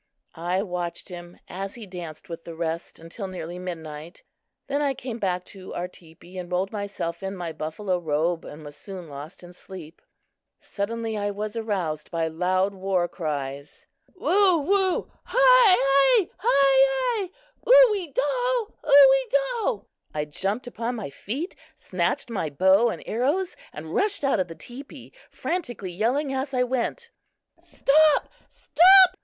I watched him as he danced with the rest until nearly midnight. Then I came back to our teepee and rolled myself in my buffalo robe and was soon lost in sleep. Suddenly I was aroused by loud war cries. "'Woo! woo! hay ay! hay ay! U we do! U we do!'" I jumped upon my feet, snatched my bow and arrows and rushed out of the teepee, frantically yelling as I went. "Stop! stop!"